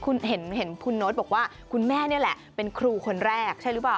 คุณเห็นคุณโน๊ตบอกว่าคุณแม่นี่แหละเป็นครูคนแรกใช่หรือเปล่า